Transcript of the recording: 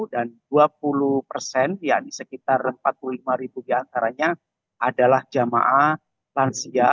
dan dua puluh persen ya sekitar empat puluh lima ribu diantaranya adalah jemaah lansia